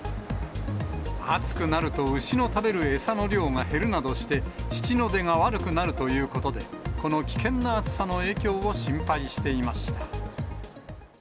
暑くなると、牛の食べる餌の量が減るなどして、乳の出が悪くなるということで、この危険な暑さの影響を心配していました。